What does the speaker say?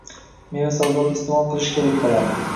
Meva-sabzavot iste'mol qilish kerak bo'ladi.